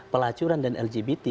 pelacuran dan lgbt